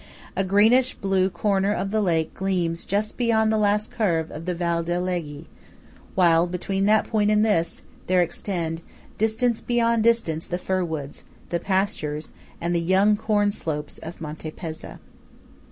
A greenish blue corner of the lake gleams just beyond the last curve of the Val d'Alleghe; while between that point and this, there extend, distance beyond distance, the fir woods, the pastures, and the young corn slopes of Monte Pezza.